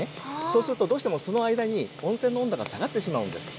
そうするとどうしてもその間に温泉の温度が下がってしまうんです。